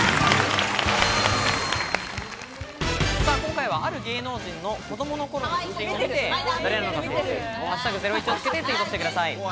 今回は、ある芸能人の子供の頃の写真を見て、誰なのかを推理し「＃ゼロイチ」をつけてツイートしてください。